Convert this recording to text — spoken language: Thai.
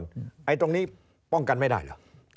ไอ้ตรงนี้ป้องกันไม่ได้เหรอ